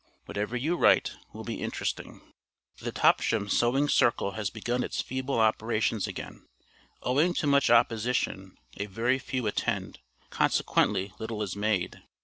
Whatever you write will be interesting. The Topsham Sewing Circle has begun its feeble operations again. Owing to much opposition, a very few attend, consequently little is made.